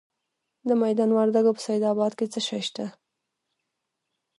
د میدان وردګو په سید اباد کې څه شی شته؟